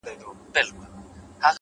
• سر افسر د علم پوهي پر میدان وو ,